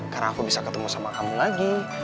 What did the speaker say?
karena aku bisa ketemu sama kamu lagi